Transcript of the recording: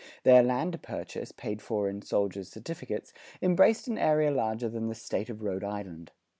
Their land purchase, paid for in soldiers' certificates, embraced an area larger than the State of Rhode Island.